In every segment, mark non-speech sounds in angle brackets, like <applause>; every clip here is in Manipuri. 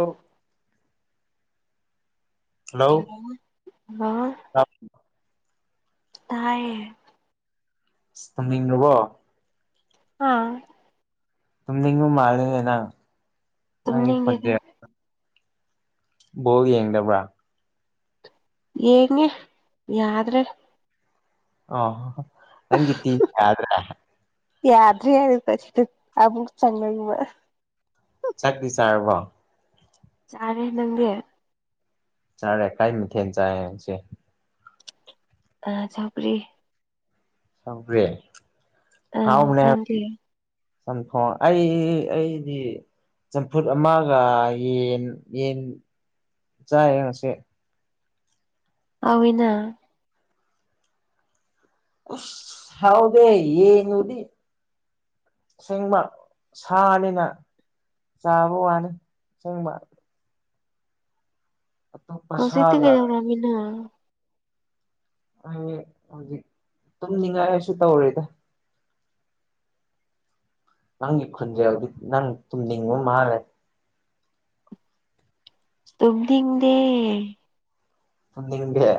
ꯑꯣ ꯍꯂꯣ ꯍꯂꫭ ꯇꯥꯏꯌꯦ ꯇꯨꯝꯅꯤꯡꯉꯥꯕꯣ ꯑꯥ ꯇꯨꯝꯅꯤꯡꯕ ꯃꯥꯜꯂꯦꯅꯦ ꯅꯪ ꯅꯪꯒꯤ ꯇꯨꯝꯅꯤꯡ ꯑꯦꯗ ꯈꯣꯟꯖꯦꯜ ꯕꯣꯜ ꯌꯦꯡꯗꯕ꯭ꯔꯥ ꯌꯦꯉꯤ ꯌꯥꯗ꯭ꯔꯦ ꯑꯣ ꯅꯪꯅꯒꯤ ꯇꯤ ꯌ꯭ꯗꯔꯦ ꯌꯥꯗ꯭ꯔ ꯍꯥꯏꯒꯥ ꯑꯁꯤꯗ ꯑꯃꯨꯛ ꯆꯪꯈ꯭ꯔꯤ ꯃꫭꯏ ꯆꯥꯛꯇꯤ ꯆꯥꯔꯕꯣ ꯆꯥꯔꯦ ꯅꯪꯗꯤ ꯆꯥꯔꯦ ꯀꯩ ꯃꯥꯊꯦꯟ ꯆꯥꯏ ꯉꯥꯁꯤ ꯑꯥ ꯁꯥꯎꯒ꯭ꯔꯤ ꯁꯥꯎꯒ꯭ꯔꯤ ꯑ ꯍꯥꯎꯕꯅꯦ ꯅꯪꯗꯤ ꯆꯝꯊꯣꯡ ꯑꯩ ꯑꯩꯗꯤ ꯆꯝꯐꯨꯠ ꯑꯃꯒ ꯌꯦꯟ ꯌꯦꯟ ꯆꯥꯏꯌꯦ ꯉꯁꯤ ꯍꯥꯎꯏꯅ ꯎꯁ ꯍꯥꯎꯗꯦ ꯌꯦꯟꯒꯥ ꯎꯇꯤ ꯑꯁꯦꯡꯕ ꯁꯥꯅꯤꯅ ꯆꯥꯕ ꯋꯥꯅꯤ ꯁꯦꯡꯕ ꯑꯇꯣꯞꯄ ꯍꯧꯖꯤꯛꯇꯤ ꯁꯥꯒ ꯀꯩꯗꯧꯔꯒꯦ ꯅꯪ ꯑꯩ ꯍꯧꯖꯤꯛ ꯇꯨꯝꯅꯤꯡꯉꯥꯏ ꯑꯩꯁꯨ ꯇꯧꯔꯤꯗ ꯅꯪꯒꯤ ꯈꯨꯟꯖꯦꯟꯗꯨ ꯅꯪ ꯇꯨꯝꯅꯤꯡꯕ ꯃꯥꯜꯂꯦ ꯇꯨꯝꯅꯤꯗꯦ ꯇꯨꯝꯅꯤꯡꯗꯦ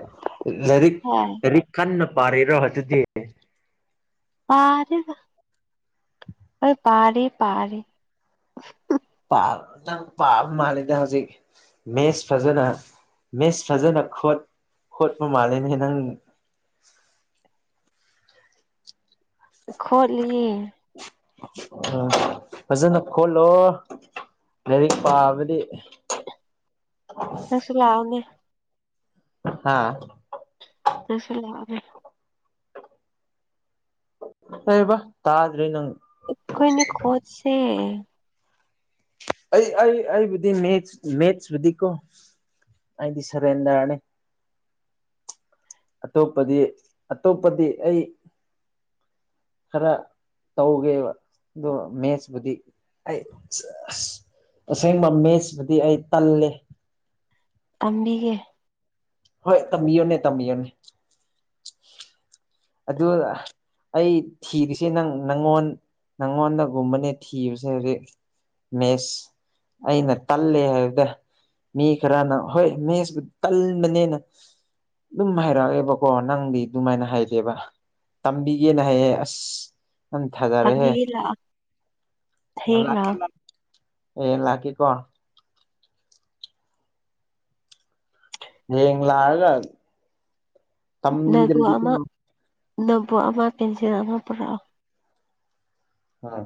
ꯂꯥꯏꯔꯤꯛ ꯍꯣꯏ ꯂꯥꯏꯔꯤꯛ ꯀꯟꯅ ꯄꯥꯔꯤꯔꯣ ꯑꯗꯨꯗꯤ ꯄꯥꯗꯦꯗꯥ ꯑꯣꯏ ꯄꯥꯔꯦ ꯄꯥꯔꯦ ꯄꯥꯕ ꯅꯪ ꯄꯥꯕ ꯃꯥꯜꯂꯤꯗ ꯍꯧꯖꯤꯛ ꯃꯦꯁ ꯐꯖꯅ ꯃꯦꯁ ꯐꯖꯅ ꯈꫭꯠ ꯈꯣꯠꯄ ꯃꯥꯂꯦꯅꯦ ꯅꯪ ꯈꯣꯠꯂꯤ ꯑꯥ ꯐꯖꯅ ꯈꯣꯠꯂꯣ ꯂꯥꯏꯔꯤꯛ ꯄꯥꯕꯗꯤ ꯅꯪꯁꯨ ꯂꯥꯛꯑꯣꯅꯦ ꯍꯥꯥ ꯅꯪꯁꯨ ꯂꯥꯛꯑꯣꯅꯦ ꯀꯩ ꯍꯥꯏꯕ ꯇꯥꯗ꯭ꯔꯦ ꯅꯪ ꯑꯩꯈꯣꯏꯅꯤ ꯈꯣꯠꯁꯦ ꯑꯩ ꯑꯩ ꯑꯩꯕꯨꯗꯤ ꯃꯦꯠꯁ ꯃꯦꯠꯁꯕꯨꯨꯗꯤꯀꯣ ꯑꯩꯗꯤ ꯁꯔꯦꯟꯗꯔꯅꯦ ꯑꯇꯣꯞꯄꯗꯤ ꯑꯇꯣꯞꯄꯗꯤ ꯑꯩ ꯈꯔ ꯇꯧꯒꯦꯕ ꯑꯗꯣ ꯃꯦꯠꯁꯄꯨꯗꯤ ꯑꯩ ꯑꯁ ꯑꯁꯦꯡꯕ ꯃꯦꯠꯁꯄꯨꯗꯤ ꯑꯩ ꯇꯜꯂꯦ ꯇꯝꯕꯤꯒꯦ ꯍꯣꯏ ꯇꯝꯕꯤꯌꯣꯅꯦ ꯇꯝꯕꯤꯌꯣꯅꯦ ꯑꯗꯨ ꯑꯩ ꯊꯤꯔꯤꯁꯦ ꯅꯪ ꯅꯪꯉꯣꯟ ꯅꯪꯉꯣꯟꯗꯒꯨꯝꯕꯅꯦ ꯊꯤꯕꯁꯦ ꯍꯧꯖꯤꯛ ꯃꯦꯁ ꯑꯩꯅ ꯇꯜꯂꯦ ꯍꯥꯏꯕꯗ ꯃꯤ ꯈꯔꯅ ꯍꯣꯏ ꯃꯦꯁꯕꯨ ꯇꯟꯕꯅꯦꯅ ꯑꯗꯨꯝ ꯍꯥꯏꯔꯛꯑꯦꯕꯀꯣ ꯅꯪꯒꯤ ꯑꯗꯨꯃꯥꯏꯅ ꯍꯥꯏ ꯀꯕ <unintelligible> ꯇꯝꯕꯤꯒꯦꯅ ꯍꯥꯏꯌꯦ ꯑꯁ ꯅꯪ ꯊꯥꯖꯔꯦꯍꯦ ꯇꯝꯕꯤꯒꯦ ꯂꯥꯛꯑꯣ ꯍꯌꯦꯡ ꯂꯥꯛꯑꯣ ꯑꯦ ꯂꯥꯛꯀꯦ ꯀꯣ ꯌꯦꯡ ꯂꯥꯛꯑꯒ ꯅꯣꯠꯕꯨꯛ ꯇꯝꯕꯤꯗ꯭ꯔꯗꯤꯀꯣ ꯑꯃ ꯅꯣꯠꯕꯨꯛ ꯑꯃ ꯄꯦꯟꯁꯤꯜ ꯑꯃ ꯄꯨꯔꯛꯑꯣ ꯎꯝ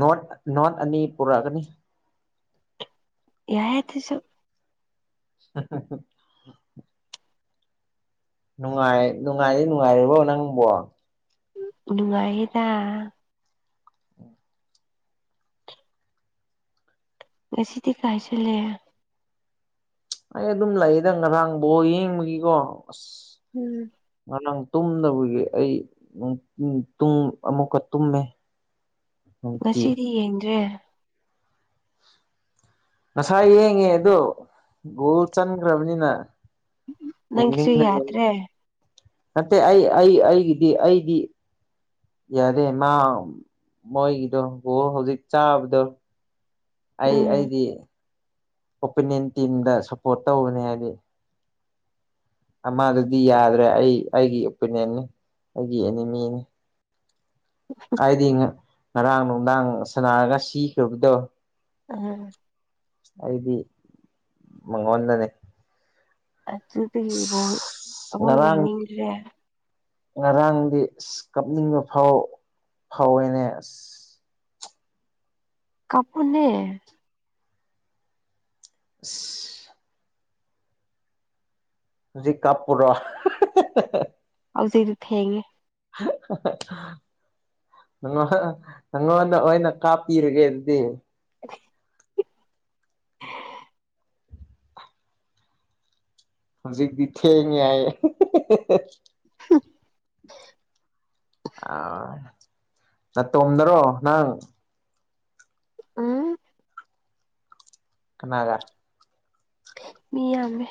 ꯅꯣꯠ ꯅꯣꯠ ꯑꯅꯤ ꯄꯨꯔꯛꯒꯅꯤ ꯌꯥꯏ ꯑꯗꯨꯁꯨ <inaudible> <unintelligible> ꯅꯨꯡꯉꯥꯏ ꯅꯨꯡꯉꯥꯏꯗꯤ ꯅꯨꯡꯉꯥꯏꯔꯤꯕꯣ ꯅꯪꯕꯨ ꯅꯨꯡꯉꯥꯏꯌꯦꯗ ꯉꯁꯤꯗꯤ ꯀꯥꯏ ꯆꯠꯂꯦ ꯑꯩ ꯑꯗꯨꯝ ꯂꯩꯌꯦꯗ ꯉꯔꯥꯡ ꯕꯣꯜ ꯌꯦꯡꯕꯒꯤꯀꯣ ꯑꯁ ꯎꯝ ꯉꯔꯥꯡ ꯇꯨꯝꯗꯕꯒꯤ ꯑꯩ <unintelligible> ꯑꯃꯨꯛꯀ ꯇꯨꯝꯃꯦ <inaudible> ꯉꯁꯤꯗꯤ ꯌꯦꯡꯗ꯭ꯔꯦ ꯉꯁꯥꯏ ꯌꯦꯡꯉꯦ ꯑꯗꯣ ꯒꯣꯜ ꯆꯟꯈ꯭ꯔꯕꯅꯤꯅ ꯅꯪꯒꯤꯁꯨ ꯌꯥꯗ꯭ꯔꯦ <unintelligible> ꯅꯠꯇꯦ ꯑꯩ ꯑꯩ ꯑꯩꯒꯤꯗꯤ ꯑꯩꯗꯤ ꯌꯥꯗꯦ ꯃꯥ ꯃꯣꯏꯒꯤꯗꯣ ꯍꯧꯖꯤꯛ ꯆꯥꯕꯗꯣ ꯑꯩ ꯎꯝ ꯑꯩꯗꯤ ꯑꯣꯄꯣꯅꯦꯟ ꯇꯤꯝꯗ ꯁꯞꯄꯣꯔꯠ ꯇꯧꯕꯅꯦ ꯍꯥꯏꯗꯤ ꯑꯃꯗꯨꯗꯤ ꯌꯥꯗ꯭ꯔꯦ ꯑꯩ ꯑꯩꯒꯤ ꯑꯣꯄꯤꯅꯤꯌꯟꯅꯤ ꯑꯩꯒꯤ ꯑꯦꯅꯤꯃꯤꯅꯦ ꯑꯩꯗꯤ ꯉꯔꯥꯡ ꯅꯨꯡꯗꯥꯡ ꯁꯅꯥꯔꯒ ꯁꯤꯈ꯭ꯔꯕꯗꯣ ꯎꯝ ꯑꯩꯗꯤ ꯃꯪꯉꯣꯟꯟꯗꯅꯦ ꯑꯗꯨꯗꯤꯕꯣ ꯑꯃꯛ ꯉꯔꯥꯡ ꯌꯦꯡꯅꯤꯡꯗ꯭ꯔꯦ ꯉꯔꯥꯡꯗꯤ ꯑꯁ ꯀꯞꯅꯤꯡꯕ ꯐꯥꯎ ꯐꯥꯎꯋꯦꯅꯦ ꯑꯁ ꯀꯞꯄꯨꯅꯦ ꯑꯁ ꯍꯨꯖꯤꯛ ꯀꯞꯄꯨꯔꯣ ꯍꯧꯖꯤꯛꯇꯤ ꯊꯦꯡꯉꯦ <inaudible> ꯅꯉꯣꯟ ꯅꯪꯉꯣꯟꯗ ꯑꯣꯏꯅ ꯀꯥꯞꯄꯤꯔꯒꯦ ꯑꯗꯨꯗꯤ <inaudible> ꯍꯧꯖꯤꯛꯗꯤ ꯊꯦꯡꯉ ꯍꯥꯏ <unintelligible> ꯑꯥ ꯅꯇꯣꯝꯗꯔꯣ ꯅꯪ ꯑ <unintelligible> ꯀꯅꯥꯒ ꯃꯤ ꯌꯥꯝꯃꯦ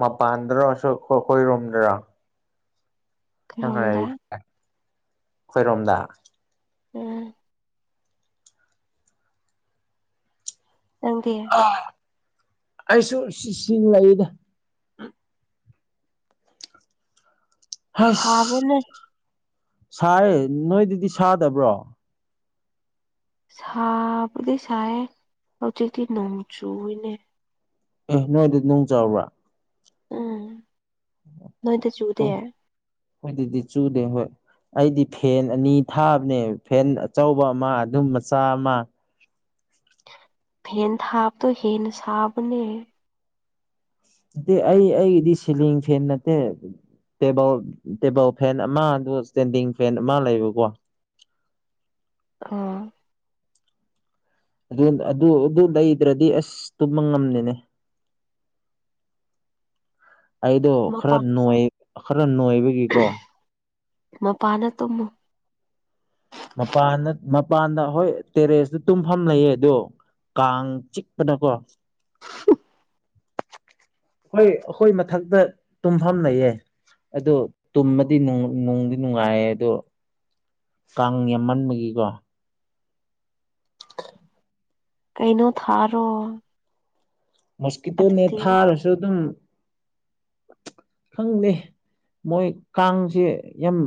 ꯃꯥ ꯄꯥꯟꯗ꯭ꯔꯣꯁꯨꯣꯈꯣꯏ ꯔꯣꯝꯗ꯭ꯔ ꯁꯪꯉꯥꯏ ꯈꯣꯏꯔꯣꯝꯗ ꯑꯩꯈꯣꯏꯔꯣꯝꯗ ꯎꯝ ꯇꯪꯗꯤꯦ ꯑ ꯑꯩꯁꯨ ꯁꯤ ꯂꯩꯗ ꯑꯁ ꯁꯥꯕ꯭ꯔꯅꯦ ꯁ ꯅꯣꯏꯗꯨꯗꯤ ꯁꯥꯗꯕ꯭ꯔꯣ ꯁꯥꯕꯗꯤ ꯁꯦ ꯍꯧꯖꯤ ꯅꯣꯡ ꯆꯨꯏꯅꯦ ꯑꯦ ꯅꯣꯏꯗ ꯅꯅꯨꯡ ꯆꯥꯎꯕ꯭ꯔꯥ ꯎꯝ ꯅꯣꯏꯗ ꯆꯨꯗꯦ ꯍꯣꯏ ꯑꯗꯨꯗꯤ ꯆꯨꯗꯦ ꯍꯣꯏ ꯑꯩꯗꯤ ꯐꯦꯟ ꯑꯅꯤ ꯊꯥꯕꯅꯦ ꯐꯦꯟ ꯑꯆꯧꯕ ꯑꯃ ꯑꯗꯨꯝ ꯃꯆꯥ ꯑꯃ ꯐꯦꯟ ꯊꯥꯕꯗꯣ ꯍꯦꯟꯅ ꯁꯥꯕꯅꯦ ꯅꯠꯇꯦ ꯑꯩ ꯑꯩꯒꯤꯗꯤ ꯁꯤꯂꯤꯡ ꯐꯦꯟ ꯅꯠꯇꯦ ꯇꯦꯕꯜ ꯇꯦꯕꯜ ꯐꯦꯟ ꯑꯃ ꯑꯗꯨꯒ ꯏꯁꯇꯦꯟꯗꯤꯡ ꯐꯦꯟ ꯑꯃ ꯂꯩꯕꯀꯣ ꯑꯣ ꯑꯗꯨ ꯑꯗꯨ ꯂꯩꯗ꯭ꯔꯗꯤ ꯑꯁ ꯇꯨꯝꯕ ꯉꯝꯅꯤꯅꯦ ꯑꯩꯗꯣ ꯈꯔ ꯃꯄꯥꯟ ꯈꯔ ꯅꯣꯏꯕꯒꯤꯀꯣ ꯃꯄꯥꯅ ꯇꯨꯝꯃꯨ ꯃꯄꯥꯟꯗ ꯃꯄꯥꯟꯗ ꯍꯣꯏ ꯇꯦꯔꯦꯁꯇꯨ ꯇꯨꯝꯐꯝ ꯂꯩꯌꯦ ꯑꯗꯣ ꯀꯥꯡ ꯆꯤꯛꯄꯗꯀꯣ ꯍꯣꯏ ꯑꯩꯈꯣꯏ ꯃꯊꯛꯇ ꯇꯨꯝꯐꯝ ꯂꯩꯌꯦ ꯑꯗꯣ ꯇꯨꯝꯃꯗꯤ ꯅꯨꯡꯗꯤ ꯅꯨꯡꯉꯥꯏꯌꯦ ꯑꯗꯣ ꯀꯥꯡ ꯌꯥꯝꯃꯟꯕꯒꯤꯀꯣ ꯀꯩꯅꯩꯅꯣ ꯊꯥꯔꯣ ꯃꯁꯀꯤꯇꯣ ꯑꯗꯨꯗꯤ ꯅꯅꯦꯊꯥꯔꯁꯨꯣꯏ ꯑꯗꯨ ꯈꯪꯗꯦ ꯃꯣꯏ ꯀꯥꯡꯁꯦ ꯌꯥꯝ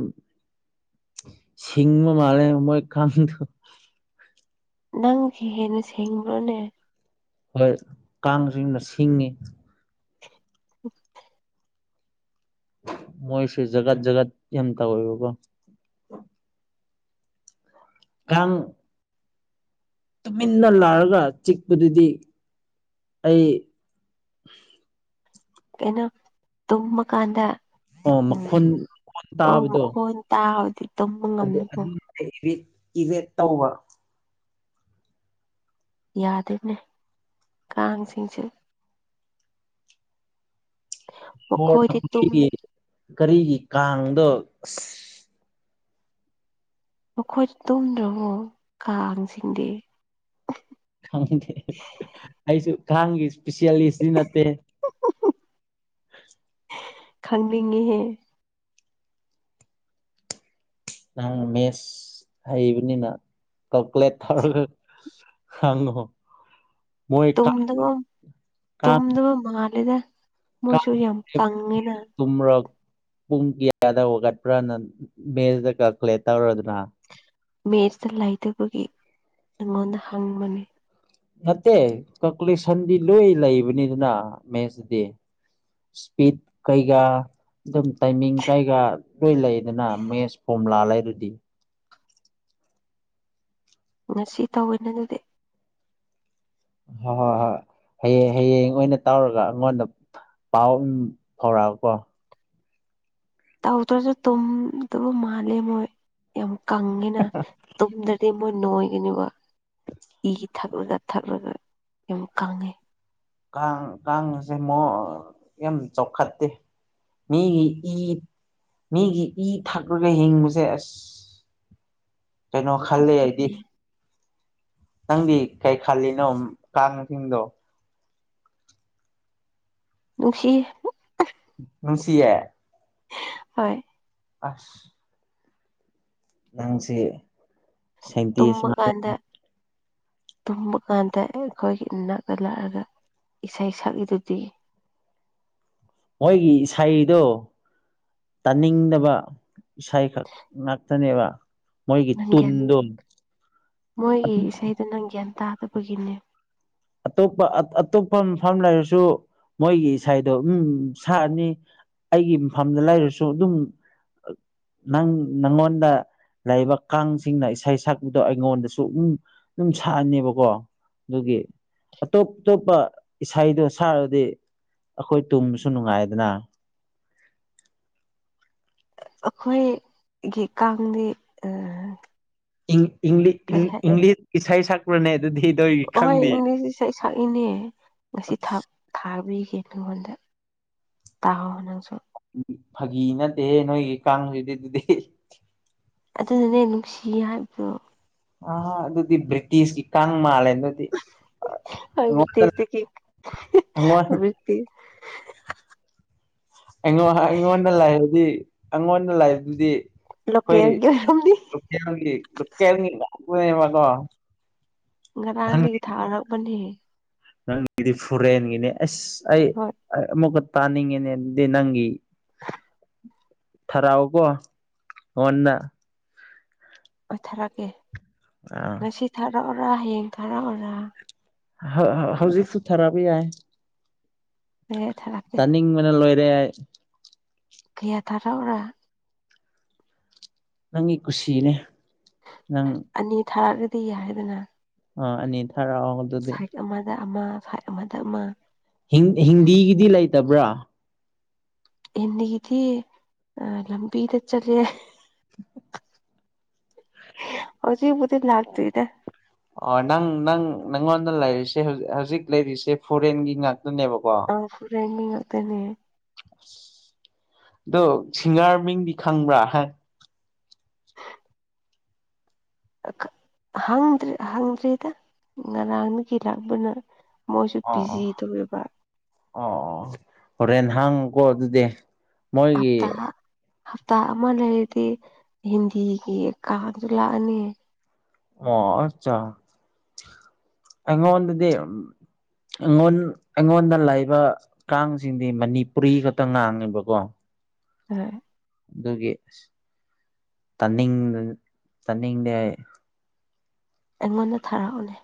ꯁꯤꯁꯤꯡꯃ ꯃꯥꯔꯦ ꯃꯣꯏ ꯀꯥꯟꯗ ꯅꯪꯒꯤ ꯍꯦꯟꯅ ꯁꯦꯡꯕ꯭ꯔꯣꯅꯦ ꯍꯣꯏ ꯀꯥꯡꯁꯤꯅ ꯁꯤꯡꯉꯤ ꯎ ꯃꯣꯏꯁꯨ ꯖꯒꯥꯠ ꯖꯒꯥꯠ ꯌꯝ ꯇꯧꯑꯦꯏꯕꯀꯣ ꯀꯥꯡ ꯇꯨꯃꯤꯟꯅ ꯂꯥꯛꯑꯒ ꯆꯤꯛꯄꯗꯨꯗꯤ ꯑꯩ ꯀꯩꯅꯩꯅꯣ ꯇꯨꯝꯃ ꯀꯥꯟꯗ ꯑꯣ ꯃꯈꯣꯟ ꯃꯈꯣꯟ ꯑꯣꯛ ꯇꯥꯕꯗꯣ ꯃꯈꯣꯟ ꯇꯥꯎ ꯑꯗꯨ ꯏꯚꯦꯠ ꯇꯧꯕ ꯌꯥꯗꯦꯅꯦ ꯀꯥꯡꯁꯤꯡꯁꯦ ꯍꯣꯔꯅ ꯃꯈꯣꯏꯗꯤ ꯇꯨꯝ ꯑꫭꯏꯒꯤ ꯀꯔꯤꯒꯤ ꯀꯥꯡꯗꯣ ꯑꯁ ꯃꯈꯣꯏꯗ ꯇꯨꯝꯗ꯭ꯔꯕ ꯀꯥꯡꯁꯤꯡꯗꯤ ꯈꯪꯗꯦ ꯑꯩꯁꯨ ꯀꯥꯡꯒꯤ ꯏꯁꯄꯤꯁꯤꯌꯦꯁꯇꯤ ꯅꯠꯇꯦ ꯈꯪꯅꯤꯡꯉꯤꯍꯦ ꯅꯍꯪ ꯃꯦꯠꯁ ꯍꯩꯕꯅꯤꯅ ꯀꯜꯀꯨꯂꯦꯠ ꯇꯧꯔꯒ ꯍꯪꯉꯣ ꯃꯣꯏ ꯇꯨꯝꯗꯕ ꯇꯨꯝꯗꯕ ꯃꯥꯜꯂꯦꯗ ꯃꯣꯏꯁꯨ ꯌꯥꯝ ꯄꯪ ꯉꯦꯅ ꯇꯨꯝꯔꯣꯛ ꯄꯨꯡ ꯀꯌꯥꯗ ꯋꯥꯒꯠꯄ꯭ꯔꯥꯅ ꯃꯦꯖꯇ ꯀꯛꯈꯂꯦ ꯇꯧꯔꯗꯅ ꯃꯦꯠꯁꯇ ꯂꯩꯇꯕꯒꯤ ꯑꯩꯉꯣꯟꯗ ꯍꯪꯕꯅꯤ ꯅꯠꯇꯦ ꯀꯀꯨꯂꯦꯛꯁꯟꯗꯤ ꯂꯣꯏ ꯂꯩꯕꯅꯤꯗꯅ ꯃꯦꯁꯇꯗꯤ ꯏꯁꯄꯤꯠ ꯀꯩꯀ ꯑꯗꯨꯝ ꯇꯥꯏꯃꯤꯡ ꯀꯩꯒ ꯂꯣꯏ ꯂꯩꯗꯅ ꯃꯦꯠꯁ ꯐꯣꯝ ꯂꯥꯑ ꯂꯩꯔꯗꯤ ꯉ ꯁꯤ ꯇꯧꯋꯦꯅ ꯑꯗꯨꯗꯤ ꯍꯣꯏ ꯍꯣꯏ ꯍꯣꯏ ꯍꯌꯦꯡ ꯍꯌꯦꯡ ꯑꯣꯏꯅ ꯇꯧꯔꯒ ꯑꯩꯉꯣꯟꯗ ꯄꯥꯎ ꯑꯗꯨ ꯐꯥꯎꯔꯛꯑ ꯀꯣ ꯇꯧꯗ꯭ꯔꯁꯨ ꯇꯨꯝꯗꯕ ꯃꯥꯜꯂꯦ ꯃꯣꯏ ꯌꯥꯝ ꯀꯪꯉꯦꯅꯨꯝꯗ꯭ꯔ <unintelligible> ꯑꯗꯩ ꯃꯣꯏ ꯅꯅꯨꯡꯉ ꯑꯣꯏꯒꯅꯤꯕ ꯏ ꯊꯛꯂꯒ ꯊꯛꯂꯒ ꯌꯥꯝ ꯀꯪꯉꯦ꯫ ꯀꯥꯡ ꯀꯥꯡꯁꯦ ꯃꯨꯛ ꯌꯥꯝ ꯆꯥꯎꯈꯠꯇꯦ ꯃꯤꯒꯤ ꯏ ꯃꯤꯒꯤ ꯏ ꯊꯛꯂꯒ ꯍꯤꯡꯕꯁꯦ ꯑꯁ ꯀꯩꯅꯣ ꯈꯜꯂꯦ ꯍꯥꯏꯗꯤ ꯐꯠꯇꯦꯅꯦ ꯅꯪꯗꯤ ꯀꯩ ꯈꯜꯂꯤꯅꯣ ꯀꯥꯡꯁꯤꯡꯗꯣ ꯅꯨꯡꯁꯤ ꯅꯨꯡꯁꯤꯌꯦ ꯍꯣꯏ ꯑꯁ ꯅꯪꯁꯦ ꯁꯥꯏꯟꯇꯤꯁ ꯇꯨꯝꯕ ꯃꯥꯜꯂꯦ ꯀꯥꯟꯗ ꯇꯨꯝꯕ ꯀꯥꯟꯗ ꯑꯩꯈꯣꯏꯒꯤ ꯏꯅꯥꯛꯇ ꯂꯥꯛꯑꯒ ꯏꯁꯩ ꯁꯛꯂꯤꯗꯨꯗꯤ ꯃꯣꯏꯒꯤ ꯏꯁꯩꯗꯣ ꯇꯥꯅꯤꯡꯗꯕ ꯏꯁꯩꯈꯛ ꯉꯥꯛꯇꯅꯦꯕ ꯃꯣꯏꯒꯤ ꯅꯪꯒꯦꯟ ꯇꯨꯟꯗꯣ ꯃꯣꯏꯒꯤ ꯏꯁꯩꯗꯨ ꯅꯪꯒꯦꯟ ꯇꯥꯗꯕꯒꯤꯅꯦ ꯑꯇꯣꯞꯄ ꯑꯇꯣꯞꯄ ꯐꯐꯝꯐꯝ ꯂꯩꯔꯁꯨ ꯃꯣꯏꯒꯤ ꯏꯁꯗꯣ ꯎꯝ ꯁꯥꯛꯔꯅꯤ ꯑꯩꯒꯤ ꯃꯐꯝꯗ ꯂꯩꯔꯁꯨ ꯑꯗꯨꯝ ꯅꯪ ꯅꯪꯉꯣꯟꯗ ꯂꯕ ꯀꯥꯡꯁꯤꯡꯅ ꯏꯁꯩ ꯁꯛꯄꯗꯣ ꯑꯩꯉꯣꯟꯗꯁꯨ ꯑꯗꯨꯝ ꯁꯛꯑꯅꯦꯕꯀꯣ ꯑꯗꯨꯒꯤ ꯑꯇꯣꯞ ꯑꯇꯣꯞꯄ ꯏꯁꯩꯗꯣ ꯁꯥꯔꯗꯤ ꯑꯩꯈꯣꯏ ꯇꯨꯝꯕꯁꯨ ꯅꯨꯡꯉꯥꯏꯗꯅ ꯑꯩꯈꯣꯏꯒꯤ ꯀꯥꯡꯗꯤ ꯏ ꯏꯂꯤ ꯏ ꯀꯩ ꯍꯥꯏ ꯏꯪꯂꯤꯁ ꯁꯥꯏ ꯁꯥꯀꯅꯦ ꯑꯗꯨ ꯍꯣꯏ ꯏꯪꯂꯤꯁ ꯏꯁꯩ ꯁꯛꯏꯅꯦ ꯉꯁꯤ ꯊꯥꯛ ꯊꯥꯕꯤꯒꯦ ꯅꯪ ꯑꯣꯟꯗ ꯇꯥꯛꯑꯣ ꯅꯪꯁꯨ ꯐꯥꯒꯤ ꯅꯠꯇꯦ ꯅꯣꯏꯒꯤ ꯀꯥꯡꯁꯤꯗꯤ ꯑꯗꯨꯗꯤ ꯑꯗꯨꯅꯅꯦ ꯅꯨꯡꯁꯤ ꯍꯥꯏꯕꯗꯣ ꯑ ꯑꯗꯨꯗꯤ ꯕ꯭ꯔꯤꯇꯤꯁꯀꯤ ꯀꯥꯡꯪ ꯃꯥꯜꯂꯦ ꯑꯗꯨ ꯑꯕꯔꯇꯤꯁꯤ ꯑꯩꯉꯣꯟ ꯑꯕꯔꯇꯤ ꯑꯩꯉꯣꯟꯗ ꯂꯥꯏꯏꯕꯗꯤ ꯑꯩꯉꯣꯟꯗ ꯂꯥꯏꯏꯕꯗꯨꯗꯤ ꯂꯣꯀꯦꯜꯒꯤ ꯑꯣꯏꯔꯝꯅꯤ ꯂ ꯂꯀ ꯂꯥꯛꯕꯀꯣ <inaudible> ꯉꯔꯥꯡꯗꯒꯤ ꯊꯥꯔꯛꯄꯅꯦ ꯅꯪꯒꯤꯗꯤ ꯐꯣꯔꯦꯟꯒꯤꯅꯤ ꯑꯁ ꯑꯩ ꯍꯣꯏ ꯑꯃꯨꯛꯀ ꯇꯥꯅꯤꯡꯉꯤꯅꯦꯗꯤ ꯅꯪꯒꯤ ꯊꯔꯛꯑꯣꯀꯣ ꯅꯟꯅ ꯍ ꯊꯥꯔꯛꯀꯦ ꯑꯥ ꯉꯁꯤ ꯊꯥꯔꯛꯎꯔꯥ ꯍꯌꯦꯡ ꯊꯥꯔꯛꯎꯔꯥ ꯍꯧꯖꯤꯛꯁꯨꯨꯊꯔꯕ ꯌꯥꯏ ꯑꯦ ꯊꯔꯛꯀꯦ ꯇꯅꯤꯡꯕꯅ ꯂꯣꯏꯔꯦ ꯍꯥꯢ ꯀꯌꯥ ꯊꯔꯥꯎꯔ ꯅꯪꯒꯤ ꯀꯨꯁꯤꯅꯦ ꯅꯪ ꯑꯅꯤ ꯊꯥꯔꯛꯒꯗꯤ ꯌꯥꯏꯔꯗꯅ ꯑ ꯑꯅꯤ ꯊꯔꯥꯎ ꯁꯥꯏꯠ ꯑꯃꯗ ꯑꯃ ꯁꯥꯏꯠ ꯑꯃꯗ ꯑꯃ ꯍꯤꯟꯗꯤꯒꯤꯗꯤ ꯂꯩꯇꯕ꯭ꯔꯥ ꯍꯅꯤ ꯏꯗꯤ ꯑ ꯂꯝꯕꯤꯗ ꯆꯂꯦ <unintelligible> ꯍꯍ ꯍꯧꯖꯤꯛꯕꯨꯗꯤ ꯂꯥꯛꯇ꯭ꯔꯤꯗ ꯑꯣ ꯅꯪ ꯅꯪ ꯅꯪꯉꯣꯟꯗ ꯂꯩꯔꯤꯁꯦ ꯍꯧꯖꯤꯛ ꯍꯧꯖꯤꯛ ꯂꯩꯔꯤꯁꯦ ꯐꯣꯔꯦꯟꯒꯤ ꯉꯥꯛꯇꯅꯦꯕꯀꯣ ꯑꯥ ꯐꯣꯔꯦꯟꯒꯤ ꯉꯥꯛꯇꯅꯦ ꯑꯁ ꯑꯗꯣ ꯁꯤꯡꯒꯥꯔ ꯃꯤꯡꯗꯤ ꯈꯪꯕ꯭ꯔꯥ ꯍꯥꯏ ꯑ ꯀ ꯍꯪꯗ꯭ꯔꯦ ꯍꯪꯗ꯭ꯔꯤꯗ ꯉꯔꯥꯡꯗꯒꯤ ꯂꯥꯛꯕꯅ ꯃꯣꯏꯁꯨ ꯑꯣ ꯄꯤꯖꯤꯗ ꯑꯣꯏꯕ ꯑꯣ ꯑꯣ ꯑꯣ ꯍꯣꯔꯦꯟ ꯍꯥꯡꯉꯨꯀꯣ ꯑꯗꯨꯗꯤ ꯃꯣꯏꯒꯤ ꯍꯞꯇꯥ ꯍꯞꯇꯥ ꯑꯃ ꯂꯩꯔꯗꯤ ꯍꯤꯟꯗꯤꯒꯤ ꯀꯥꯝꯖꯨ ꯂꯥꯛꯑꯅꯤ ꯑꯣ ꯑꯆꯥ ꯑꯩꯉꯣꯟꯗꯗꯤ ꯑꯩꯉꯣꯟ ꯑꯩꯉꯣꯟꯗ ꯂꯩꯕ ꯀꯥꯡꯁꯤꯡꯗꯤ ꯃꯅꯤꯄꯨꯔꯤ ꯈꯛꯇ ꯉꯥꯡꯉꯦꯕꯀꯣ ꯍꯣꯏ ꯑꯗꯨꯒꯤ ꯇꯥꯅꯤꯡꯕꯖꯨ ꯇꯥꯅꯤꯡꯗꯦ ꯑꯩ ꯑꯩꯉꯣꯟꯗ ꯊꯥꯔꯛꯎꯅꯦ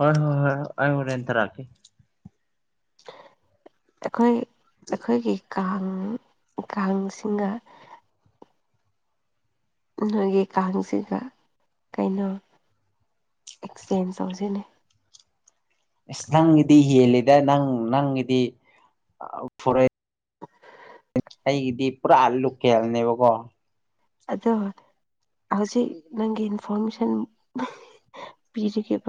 ꯍꯣꯏ ꯍꯣꯏ ꯍꯣꯏ ꯑꯩ ꯍꯣꯔꯦꯟ ꯊꯥꯔꯛꯀꯦ ꯑꯩꯈꯣꯏ ꯑꯩꯈꯣꯏꯒꯤ ꯀꯥꯡ ꯀꯥꯡꯁꯤꯡꯒ ꯅꯣꯏꯒꯤ ꯀꯥꯡꯁꯤꯒ ꯀꯩꯅꯣ ꯑꯦꯛꯆꯦꯟꯖ ꯇꯧꯁꯤꯅꯦ ꯅꯪꯒꯤꯗꯤ ꯍꯦꯜꯂꯤꯗ ꯅꯪ ꯅꯪꯒꯤꯗꯤ ꯑ ꯐꯣꯔꯦ ꯑꯩꯒꯤꯗꯤ ꯄꯨꯔꯥ ꯂꯣꯀꯦꯜꯅꯦꯕꯀꯣ ꯑꯗꯣ ꯍꯧꯖꯤꯛ ꯅꯪꯒꯤ ꯏꯟꯐꯣꯔꯃꯦꯁꯟ ꯑ ꯍꯤ ꯄꯤꯔꯒꯦꯕ